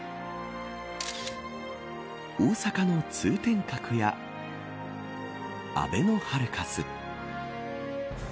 大阪の通天閣やあべのハルカス